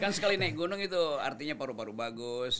kan sekali naik gunung itu artinya paru paru bagus